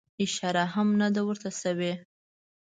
اشاره هم نه ده ورته سوې.